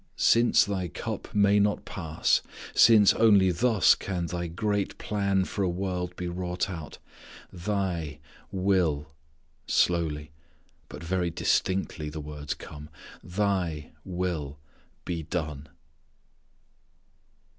"Since this cup may not pass since only thus can Thy great plan for a world be wrought out Thy will" slowly but very distinctly the words come "_Thy will be done.